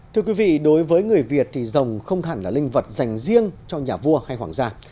thưa quý vị đối với người việt thì rồng không hẳn là linh vật dành riêng cho nhà vua hay hoàng gia